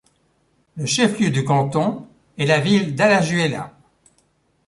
La chef-lieu du canton est la ville d'Alajuela.